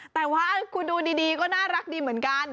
แต่ว่าคุณดูดีก็น่ารักดีเหมือนกัน